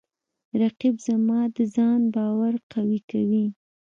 رقیب زما د ځان باور قوی کوي